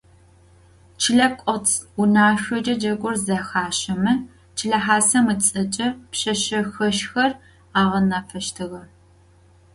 Чылэ кӏоцӏ унашъокӏэ джэгур зэхащэмэ, чылэ хасэм ыцӏэкӏэ пшъэшъэхэщхэр агъэнафэщтыгъэ.